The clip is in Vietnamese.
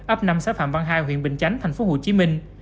ấp năm xã phạm văn hai huyện bình chánh thành phố hồ chí minh